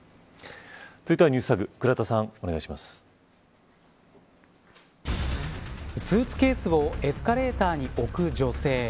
続いてはＮｅｗｓＴａｇスーツケースをエスカレーターに置く女性。